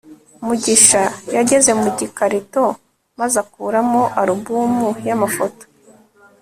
mugisha yageze mu gikarito maze akuramo alubumu y'amafoto